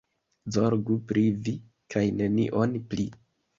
Zorgu pri vi, kaj nenion pli.